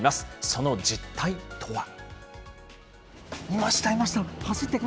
その実態とは。